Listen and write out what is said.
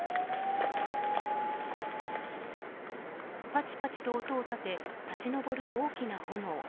パチパチと音を立て立ち上る大きな炎。